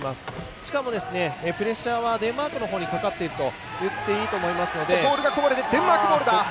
しかも、プレッシャーはデンマークのほうにかかっていると言っていいです。